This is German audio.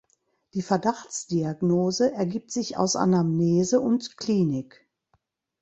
Die Verdachtsdiagnose ergibt sich aus Anamnese und Klinik.